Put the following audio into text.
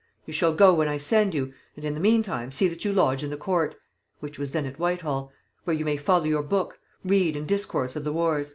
You shall go when I send you, and in the meantime see that you lodge in the court,' (which was then at Whitehall) 'where you may follow your book, read and discourse of the wars.'"